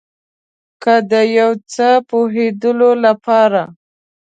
که د یو څه پوهیدلو لپاره